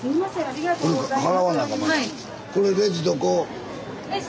ありがとうございます。